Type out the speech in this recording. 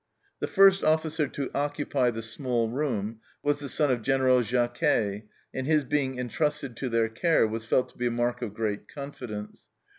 The first officer to occupy the small room was the son of General Jacquez, and his being entrusted to their care was felt to be a mark of great confidence.